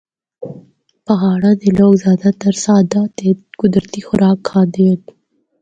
پہاڑاں دے لوگ زیادہ تر سادہ تے قدرتی خوراک کھاندے ہن۔